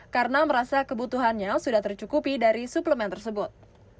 karena merasa kebutuhannya sudah tercukupi dari suplemen tersebut